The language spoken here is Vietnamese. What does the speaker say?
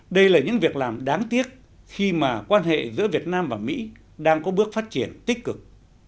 đây là những việc làm đáng tiếc khi mà quan hệ giữa việt nam và mỹ đang có bước phát triển tích cực